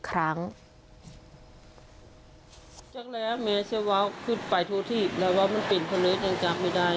อยากว่ามันปริ้นผลิตยังจับไม่ได้